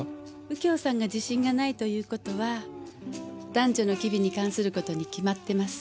右京さんが自信がないという事は男女の機微に関する事にきまってます。